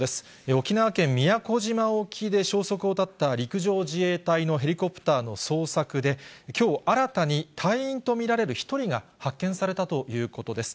沖縄県宮古島沖で消息を絶った、陸上自衛隊のヘリコプターの捜索で、きょう、新たに隊員と見られる１人が発見されたということです。